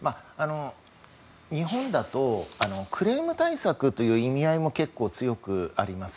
日本だとクレーム対策という意味合いも結構強くあります。